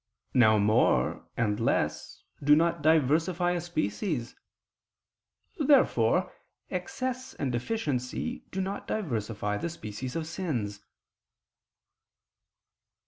Now "more" and "less" do not diversify a species. Therefore excess and deficiency do not diversify the species of sins.